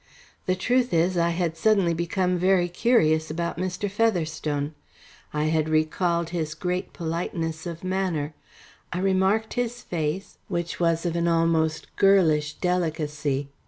The truth is, I had suddenly become very curious about Mr. Featherstone. I had recalled his great politeness of manner. I remarked his face, which was of an almost girlish delicacy.